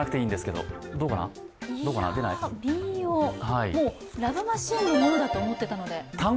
いや民謡「ＬＯＶＥマシーン」のものだと思っていたので。